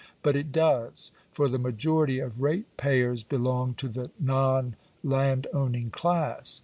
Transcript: But it does ; for the majority of rate payers belong to the non landowning class.